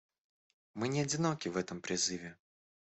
Мы не одиноки в этом призыве.